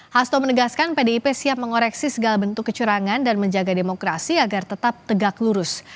hasto menegaskan pdip siap mengoreksi segala bentuk kecurangan dan menjaga demokrasi agar tetap tegak lurus